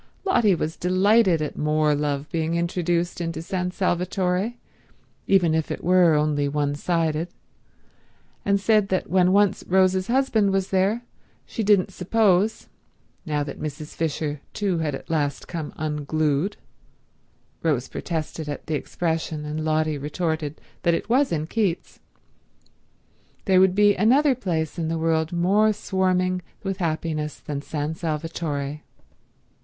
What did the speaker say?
Lotty was delighted at more love being introduced into San Salvatore, even if it were only one sided, and said that when once Rose's husband was there she didn't suppose, now that Mrs. Fisher too had at last come unglued—Rose protested at the expression, and Lotty retorted that it was in Keats—there would be another place in the world more swarming with happiness than San Salvatore.